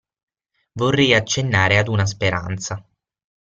Vorrei accennare ad una speranza.